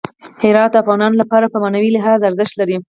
هرات د افغانانو لپاره په معنوي لحاظ ارزښت لري.